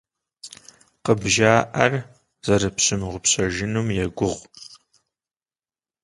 КъыбжаӀар зэрыпщымыгъупщэжыным егугъу.